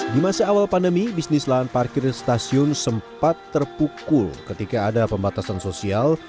di masa awal pandemi bisnis lahan parkir dan stasiun sempat terpukul ketika ada pembatasan sosial